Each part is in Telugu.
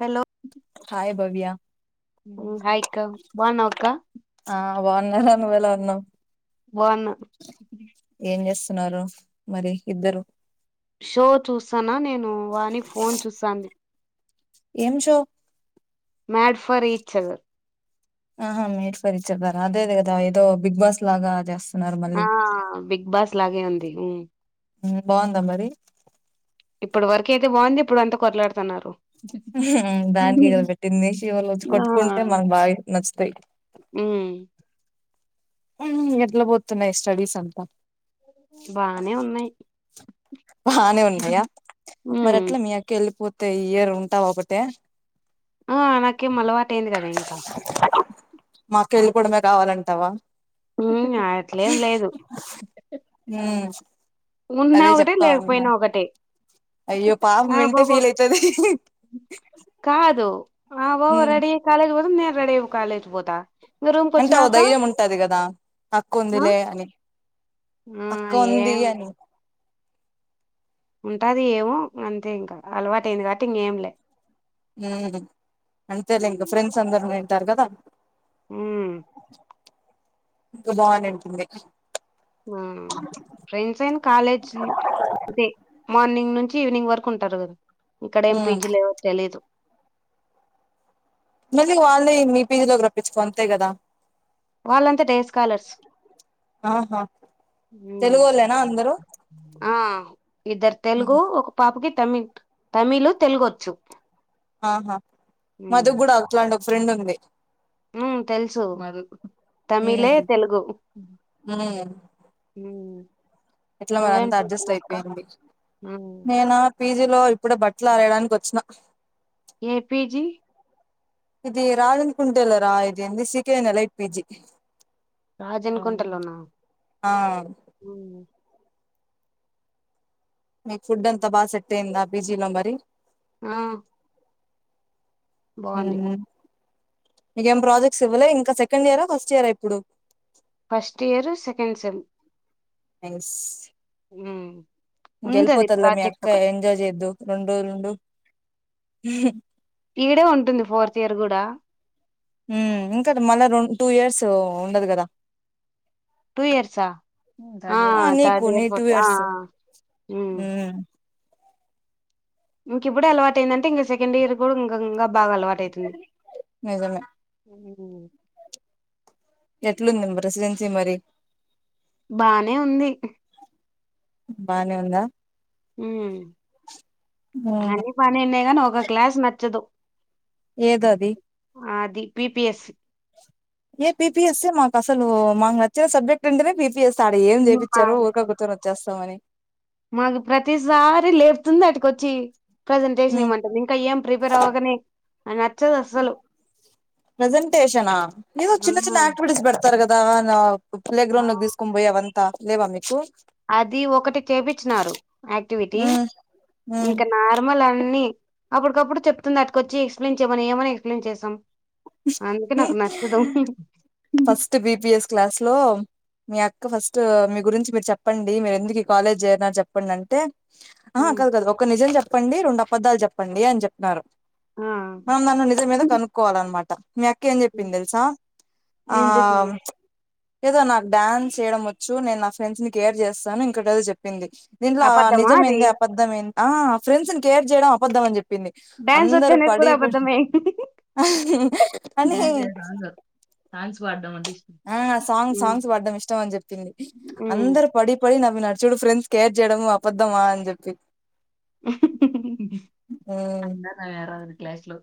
హలో హాయ్ భవ్యా హాయి అక్క బాన్నావా అక్క ఆ బాగున్నా రా నువ్ ఎలా ఉన్నావ్ బావున్నా స్తున్నారు మరి ఇద్దరు సనా నె నేను వాణి ఫోన్ చూసాంది ఏం చో మ్యాడ్ ఫర్ ఈచ్ అదర్ ఆహా మేడ్ ఫర్ ఈచ్ అదర్ ఆ అదే దే కదా ఏదో బిగ్ బాస్ లాగా జెస్ ఆ బిగ్ బాస్ లాగే ఉంది హు మ్ బాగుందా మరి ఇప్పుడు వరకు అయితే బాగుంది ఇప్పుడు అంతా కొట్లాడుతన్నారు దానికే గదా పెట్టింది శివా ల్లొచ్చి ఆ కొట్టుకుంటే మనకు బాగా నచ్చుతాయి ఉమ్ ఎట్ల బోతున్నాయి స్టడీస్ అంతా బానే ఉన్నాయి బానే ఉన్నాయా మరి ఉమ్ అట్లా మీ అక్క వెళ్ళిపోత థే ఇయర్ ఉంటావు ఒకటే ఆ నాకెం అలవత్ పట్టేంది కదా ఇంకా మా అక్క వెళ్ళిపోవడమే కావాలంటావా ఉ అట్లేం లేదు ఉమ్, ఉన్నా అదే ఒకటే చెప్తా ఉన్నా లేకపోయినా ఒకటిబ అయ్యో పాపం హా పో వింటే పో ఫీల్ అవుతది కాదు ఆవో ఉమ్, రెడి కాలే నెన్ రెడీ అయి కాలేజ్ కి పోతా ఇంగ రూమ్కి అంటే ఓ వచ్చినాక ధైర్యం ఉంటది కదా హక్కు ఆ ఉందిలే అని ఆ అక్క ఉంది ఏం అని ఉంటాది ఏమ అంతే ఇంకా అలవాటుయింది కాబట్టి ఇంకేం లే ఉమ్ అంతేలే ఇంకా ఉమ్ ఫ్రెండ్స్ అందరు ఉ టారుగాద ఉమ్ ఇ బా నటింది ఉమ్ ఫ్రెండ్స్ అయిన కాలేజ్ అతే మార్నింగ్ నుంచి ఈవినింగ్ వర్క్ ఉంటారు కదా ఇక్కడేం ఉమ్ పీజీ లేవో తెలిదు మళ్ళీ వాళ్ళని మీ పీజీలోకి రప్పించుకో అంతే కాదా వాళ్ళంతా డే స్కాలర్స్ ఆహా తెలుగు వాళ్ళేనా అందరు ఆ ఇద్దరు తెలుగు ఒక పాపకి తమిళ్ తమిళ్లలు తెలుగొచ్చు ఆహా ఉమ్ మధుకు గూడా అట్లాంటి ఓ ఫ్రెండ్ ఉంది ఉమ్ తెలుసు తమిళే ఉమ్ తెలుగు ఉమ్ ఇట్లా మరి నువ్వేం అంతా అడ్జస్ట్ చేస్తున్నావ్ అక్క అయిపోయింది ఉమ్, నేనా పీజీలో ఇప్పుడు బట్టలు ఆరేయడానికి వచ్చిన ఏపీజీ ఇది రాజన్ కుంటెల రా ఇది సకెనెల లేట్ పిజి రాజన్కుంటలోనా ఆ ఉమ్ మీకు ఫుడ్ అంతా బాగా సెట్ అయిందా పిజీలో మరి ఆ బాగుంది ఉహు మీకు ఎం ప్రాజెక్ట్స్ ఇవ్వలే ఇంకా సెకండ్ ఇయరా ఫస్ట్ ఇయరా ఇప్పుడు ఫస్ట్ ఇయర్ సెకండ్ సెమ్ ఎస్ ఉ గెలీపోతదిలే మీ అక్క ఎంజాయ్ చేదువు రెండు రెండు ఉం ఈడే ఉంటుంది ఫోర్త్ ఇయర్ కూడా ఉ ఇంకా మళ్ళా రెండు టూ ఇయర్స్ ఉండదు గదా టూ ఇయర్స్ ఆ ఆ నీకు థర్డ్ నీ ఇయర్ టూ ఫోర్త్ ఆ ఆ ఇయర్స్ ఉ మ్మ్ ఇంక ఇప్పుడు అలవాటు అయిందంటే ఇంగ సేకండ్ ఇయర్ కూడా ఇంగ ఇంగ బాగా అలవాటు అవుతుంది నిజమే ఉ ఎట్లుంది రెడ్జెన్సీ మరి బాగనే ఉంది బానే ఉందా ఉ మ్మ్ అన్ని బానే ఉన్నాయ్ గానీ ఒక్ ఒక క్లాస్ నచ్చదు ఏదో అది అది పిపిఎస్ ఏ పిపిఎస్ మాకు అసలు మాకునచ్చిన సబ్జెక్ట్ అంటేనే పిర్ చేస్తా ఆడు ఏం చేపిచ్చారో ఒక్క గుర్తరు వచ్చేస్తామని మాకు ప్రతిసారి లేపుతుంది అటుకు అచ్చి ప్రెజెంటేషన్ మ్మ్ ఇవమంటుంది ఇంకా ఎం ప్రిప్ నువ్వే రగనే నచ్చదు అసలు ప్రెసెంటేషనా ఏదో ఆ చిన్న చిన్న ఆక్టివిటీస్ బెడత్ తరుగదానా ప్లే గ్రౌండ్ ఆ. లోకి తీసుకో పోయివను త లేవా మీకు అది ఒకటి చేపించినారు యాక్టివిటీ మ్మ్ మ్మ్ ఇంకా నార్మల్ అన్ని అప్పుకప్పుడు చెప్తుంది అట్కొచ్చి ఎక్స్ప్లెయిన్ చేయమని ఏమని ఎక్స్లెయిన్ చేసాం అందుకే నాకు నచ్చదు ఫస్ట్ బిపిఎస్ క్లాస్ లో మీ అక్క ఫస్ట్ మీ గురించి మీరు చెప్పండి మీరు ఎందుకు ఈ కాలేజ్ చేయన చెప్పండి అంటే ఆ ఉమ్, కదు కదు ఒక్క నిజం చెప్ చెప్పండి రెండు అబద్ద్దాలు చెప్పండి అని చెప్పినారు ఆ, మనం నన్ను నిజం ఏదో కనుక్కోవాలన్నమాట మీ అక్క ఎమ్ ఉమ్. చెప్పింది దెల్సా ఆ ఏం చెప్పింది ఏదో నాకు డాన్స్ చేయడం వచ్చు నేను నా ఫ్రెండ్స్ ని కేర్ చేస్తాను ఇంకట ఏదో చెప్పింది దీంట్లో అబద్ధమా నిజం అది ఏంది అబద్ధం ఏంది ఆ ఫ్రెండ్స్ ని కేర్ చేయడం అబద్దం అని చెప్పి పింది డాన్స్ వచ్చు అందరు అనేది పడి కూడా పడి అని డాన్స్ అనే అసలు అ ఆ సాంగ్ సాంగ్స్ పాడ్డం ఇష్టం అని చెప్ింది ఉమ్. అందరుూ పడి పడి మీ నడుచుడు ఫ్రెండ్స్ కేర్ చేయడము అపద్ధమా అని చెప్పి అంద వేర క్లాస్ లో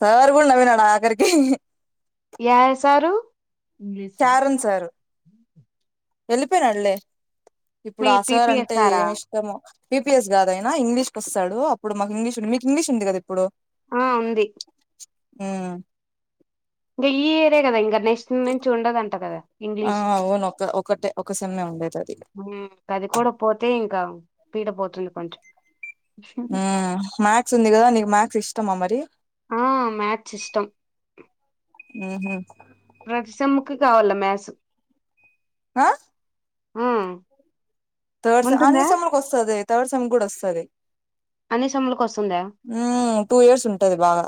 సార్ గూడా నవ్విన్నాడా ఖరికి ఏ సారు ఇంగ్లీష్ స వెళిపోయినాళ్లే ఇప్పుడు ఆ సార్ పీపీ అంటే ఎస్ఆరా ఏమి ఇష్టము పిపిఎస్ కాదు అయినా ఇంగ్లీష్కి వస్తాడు అప్పుడుకు ఇంగ్లీష్ ఉంది మీకు ఇంగ్లీష్ ఉంది కదా ఇప్పుడు ఆ ఉంది ఆ ఇంకా ఈరే కదా ఇకా నెక్స్ట్ నుంచి ఉండదంట కదా ఆ ఇంగ్లీష్ అవును ఒక ఒకటే ఒక సెమ్మె ఉండేది అది అది కూడా పోతే ఇంకా పీడ పోతుంది కొంచెం ఉత్తమ మరి ఆ మథస్ ఇష్టం ఆహ ప్రతిసమ్ముకి కావాల మ్యాస్ ఆ ఆ తస్ అన్ని ఉంటుందా స మ కస్త తవర్సం కూడా వస్తుంది అన్ని సెమ్ములకు వస్తుందా టూ ఇయర్స్ ఉంటది బాగా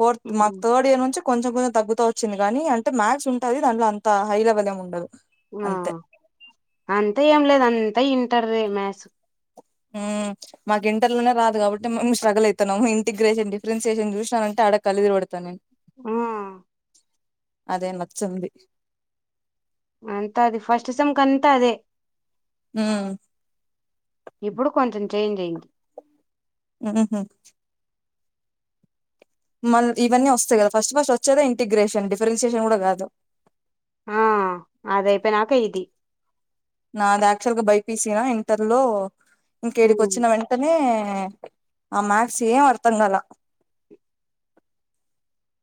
ఫోర్త్ మాకు ఉమ్, థర్డ్ ఇయర్ నుంచి కొంచం కొంచెం తగ్గుత వచ్చింది కానీ అంటే మాథ్స్ ఉంటుది దాంట్ అంత హై లెవెల్ ఏ ఉండదు ఆ అంతే అ అంతే ఏం లేదు అంతా ఇంటారు మ్యాథ్స్ మాకు ఇంటర్లోనే రాదు కాబట్టి మేము స్ట్రగుల్ అవుతున్నాము ఇంటిగ్రేషన్ డిఫరెన్షయషన్ చూసాన అంటే అడగ కలిది పడతా నేను ఆ అదే నచ్చంది అంత అది ఫస్ట్ సంమ్ కంత అదే హ ఇప్పుడు కొంచెం చేంజ్ అయింది ఆ మల్ ఇవన్నీ వస్తాయి కదా ఫస్ట్ ఫస్ట్ వచ్చేద ఇంటిగ్రేషన్ డిఫరెన్షియషన్ కూడా కాదు అదైపోయినాకిది నాది యాక్చువల్ గా బైపీసనా ఇంటర్ లో ఉమ్, ఇంకేడికిొచ్చిన వెంటనే ఆ మత్సమార్థం గాలా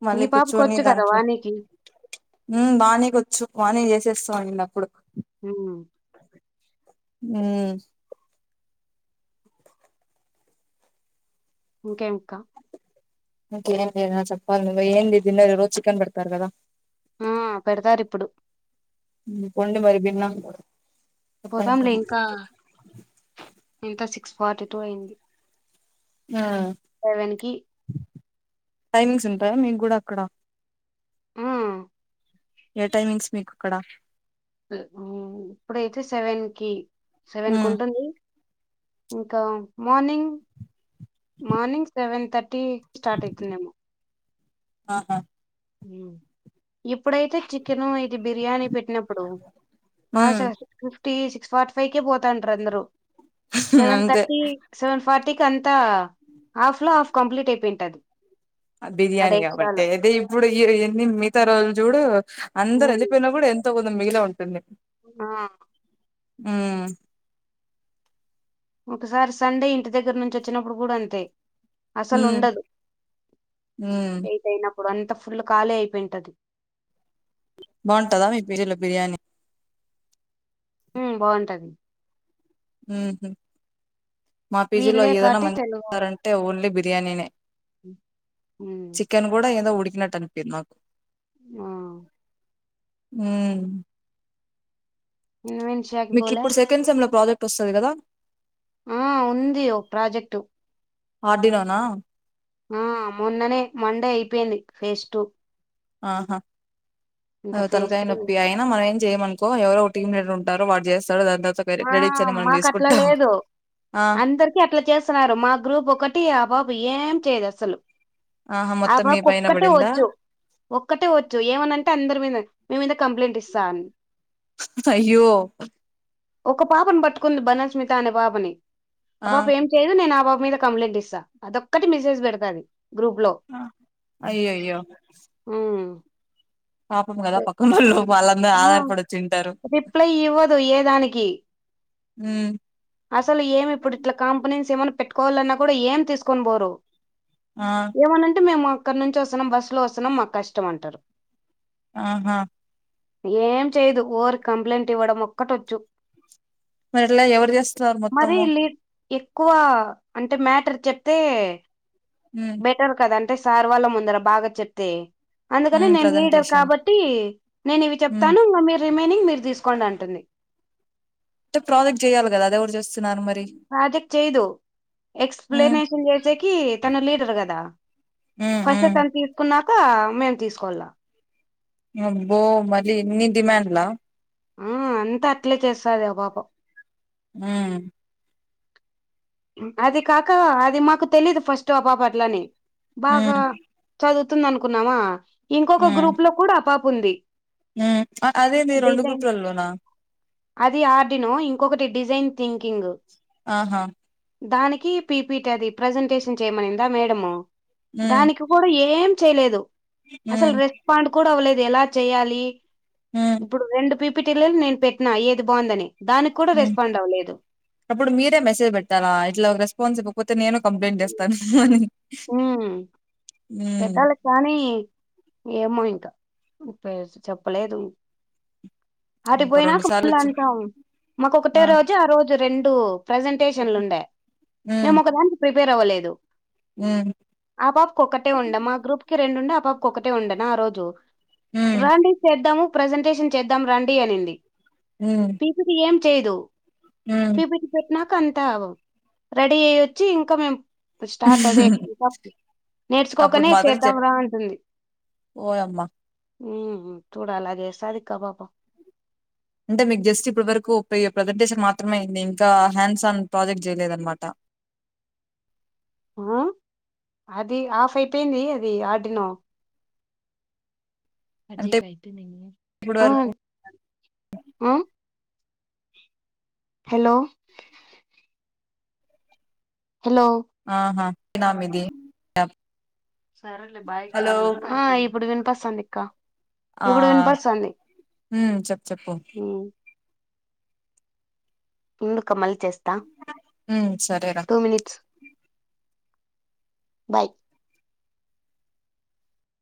మళ్ళీ ఈ పాపకు కూర్చుని వచ్చు కదా దాంట్లో వాణికి బానే కూచు వానీ జేసేస్తాండి అప్పుడు ఉ అ ఇంకేంకా ఇంకే లే నా చప్పాలు ఏందంది దిన రోజ్ చికెన్ బడతారు కదా ఆ పెడతారు ఇప్పుడు ఎ పోదాంలే ఇంకా ఎంత సిక్స్ ఫార్టీ టు అయ్యింది ఆ టైమింగ్ మీగ్గూడా అక్కడ ఆ ఉమ్, ఏ టైమింగ్స్ మీకు అక్కడ హు ఇప్పుడైతే సెవెన్ కి సెవెన్ కు మ్మ్ ఉంటుంది ఇంకా morning morning seven thirty start అయితుందమో ఆహా ఇప్పు ఇప్పుడైతే చికెన్ ఇది బిర్యానీ పెట్టినప్పుడు ఫస్ మ్మ్ సిస్ ఫిఫ్టీ ఫార్టీ ఫైవ్ కే పోతాండ్రందరు సెవెన్ అంతే థర్టీ సెవెన్ ఫార్టీకి అంతా హాఫ్ లో హాఫ్ కంప్లీట్ అయిపోయింటది ఆ బిర్యానీ గాబట్టి డేక్షాలో అదతే ఇప్పుడు నిమ్ మిగతా రోజుల్ చూడు అందరు ఉమ్. అలిపోయిన కూడా ఎంతంది మీలా ఉంటుంది ఆ ఉ ఒకసారి సండే ఇంటి దగ్గర నుంచి వచ్చినప్పుడు కూడా అంతే అసలు మ్మ్ ఉండదు మ్మ్ ఏదైనా ఇప్పుడు అంత ఫుల్ ఖాళీ అయిపోయింటది బాగుంటదా మీ పేర్లో బిర్యానీ హా బాగుంటది ఆహ మా పీజీలో వీళ్ళే ఏదైనా కాటి మంచిగా తెలుగు వాళ్ళు. పెడతారంటే ఓన్లీ బిర్యాని బిర్యానీనే ఉమ్, చికెన్ కూడా ఏంద ఉడి ఇలాట్ అనిపింది నాకు ఆ అ ఇన్వెన్షియాకి మీకు బోలే ఇప్పుడు సెకండ్ సెమ్ లో ప్రాజెక్ట్ వస్తాది కదా ఆ ఉంది ఓ ప్రాజెక్టు ఆడిననా ఆ మొన్ననే మండే అయిపోయింది ఫేజ్ టు ఆహా ఫేజ్ తలకాయ త్రీ నొప్పి అయినా మనం ఏం చెయ్యమనుకో ఎవరో ఒక టీమ్ మేట్ ఉంటారు వాడ్ చేస్ మా మాకట్లా లేదు ఆ అందరికి అట్లా చేస్తున్నారు మా గ్రూప్ ఒకటి ఆ బాబు ఏం చేయదసలు ఆహా ఆ మొత్తం మీ బాబుకు పైన ఒక్కటే పడిందా వచ్చు ఒక్కటే వచ్చు ఏమనంటే అందరి మీన మీ మీద కంప్లైంట్ ఇస్ సాన్ అయ్యో ఒక పాపన్బట్టుకుంది బనస్మిత అనే పాపని ఆ పాప ఏం చేయదు నేను ఆ బాబ్ మీద కంప్లైంట్ ఇస్తా అదొక్కటి మెసేజ్ పెడతాది గ్రూప్ అయ్యో అయ్యో ఉమ్ పాపం గదా పక్కనోలు ఆహ్ రిప్లై ఇవ్వదు ఏదానికి ఉమ్ అసలు ఏమి ఇప్పుడు ఇట్లా కంపెనెన్స్ ఏమన్నా పెట్టుకోవాలన్నా కూడా ఏం తీసుకొన్బోరు ఆ ఏమనంటే మేమ్ మా అక్కడ్నుంచి వస్తున్నాం బస్సులో వస్తున్నాం మాక్ కష్టం అంటారు ఆ హా ఏం చేయదు ఓర్క కంప్లైంట్ ఇవ్వడం ఒక్కటొచ్చు మరి ఇట్లా ఎవర్ చేస్తున్నారు మొత్తము ఎక్కువా అంటే మ్యాటర్ చెప్తే ఉమ్ బెటర్ కదని ట్ సార్ వాళ్ళ్ముందర బాగా చెప్తే అందుకని ఉమ్ నేన్ లీడర్ ప్రజెంటేషన్ కాబట్టి ఇవి ఉమ్ చెప్పతాను ఇంగా మీరి విని మీర్తీసుకోండి అంటుంది అంటే ప్రాజెక్ట్ చేయాల గదా అది ఎవర్జేస్ ప్రాజెక్ట్ చేయ్దు ఉమ్ ఎక్స్ప్లనేఫన్ చేసేకి తన లీడర్ గదా ఉమ్ ఫస్ట్ ఉమ్ తన్తీసుకున్నాక మేమ్ తీసుకోల్లా అబ్బో మరి ఇన్ని డిమాండ్లా ఆ అంతా అట్లే చేస్తది ఆ పాప ఉమ్ అది కాక అది మాకు తెలీదు ఫస్టు ఆ పాప అట్లని బాగా ఉమ్ చదుత్ తుందనుకున్నామా ఇంకొక ఉమ్ గ్రూప్లో కూడా ఆ పాప ఉంది హ్మ్ అదేంది రెండు డిజైన్ గ్రూపులలోనా అది ఆర్డిను ఇంకొకటి డిజైన్ థింకింగ్ ఆహా దానికి పీపిటీ అది ప్రజెంటేషన్ చేయమనిందా మేడము హ్మ్ దానికి కూడా ఏం చేయలేదు అసలు హ్మ్ రెస్పాండ్ కూడా అవ్వలేదు ఎలా చేయాలి హ్మ్ ఇప్పుడు రెండు పీపు మెటీరల్ నేను పెట్టిన ఏది బాగుందని దానికి కూడా ఉమ్ రెస్పాండ్ అవ్వలేదు అప్పుడు మీరే మెసేజ్ పెట్ టాలా ఇట్లా రెస్పాన్స్ ఇవ్వపోతే నేను కంప్లైంట్ చేస్తాను అని ఉమ్ హ్మ్ పెట్టాల కానీ ఏమో ఇంకా ముపర్స్ చెప్పలేదు ఇంకో రెండు అటుపోయినాక సార్లు పూళ్ళ వచ్చి అంతం మాకు ఒకటే రోజు ఆ రోజు రెండు ప్రజెంటేషన్లు ఉండే హ్మ్ మేము ఒకదాం ప్రిపేర్ అవ్వలేదు హ్మ్ ఆ పప్ కు ఒకటే ఉండ మా గ్రూప్ కి రెండు ఉండే అప్ పాక్క ఒకటే ఉండేనా ఆ రోజు హ్మ్ రండి చేద్దాము ప్రజెంటేషన్ చేద్దాం రండి అనింది హ్మ్ పిపి టిఏం చేదు హ్మ్ పిపి టి చే నాకంథావ్ రెడీ అయ్య చ్చి ఇంక మేం స్టార్ట్ అదే ఇంకా అప్పుడు నేర్చుకోకనే మాత్రం చేద్దాం చెప్ రా అంటుంది ఓయమ్మా హమ్ చూడ అల చేస్తది క్క ఆ పాప అంటే మీకు జస్ట్ ఇప్పటి వరకు ప్రజెంటేషన్ మాత్రమేంది ఇంకా హ్యాండ్స్ ఆన్ ప్రాజెక్ట్ చేయలేదనమాట ఆ అది ఆఫ్ అయిపోయింది అది ఆర్డినో ఆ అంటే ఇప్పుడు వరకు ఆ హలో హలో ఆహా నా మీది అప్ ఆ ఇప్పుడు వినపస్థాంధీ క ఆ హమ్ చెప్ చెప్పు ఉండుక మల్లిచేస్ హమ్ సరేర బాయ్